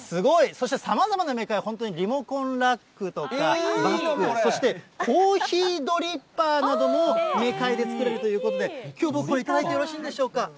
そしてさまざまなメカイ、本当にリモコンラックとか、バッグ、そしてコーヒードリッパーなどもメカイで作れるということで、きょう、僕、これ頂いてよろしいんでしょうか。